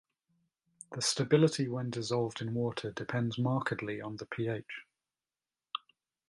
The stability when dissolved in water depends markedly on pH.